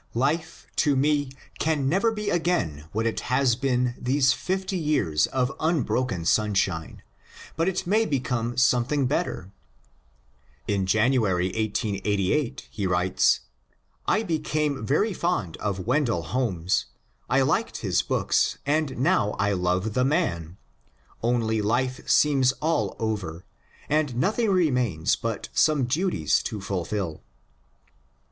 *^ Life to me can never be again what it has been these fifty years of unbroken sunshine — but it may become something better." In Janu ary, 1888, he writes: ^^I became very fond of Wendell Holmes. I liked his books, and now I love the man — only life seems all over, and nothing remains but some duties to fulfil."